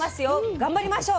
頑張りましょう！